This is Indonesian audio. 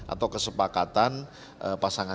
untuk membuat kemampuan kepentingan